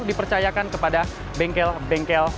dipercayakan kepada bengkel bengkel